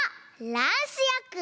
ランスよく！